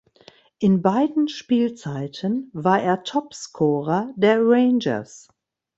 In beiden Spielzeiten war er Topscorer der Rangers.